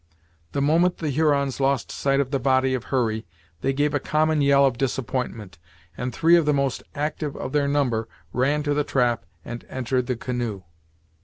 The moment the Hurons lost sight of the body of Hurry they gave a common yell of disappointment, and three of the most active of their number ran to the trap and entered the canoe.